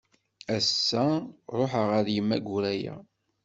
Ass-a ruḥeɣ ɣer Yemma Guraya.